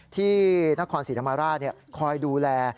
ที่นครศรีธรรมราชคอยดูแล